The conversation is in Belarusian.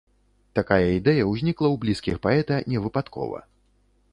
Такая ідэя ўзнікла ў блізкіх паэта не выпадкова.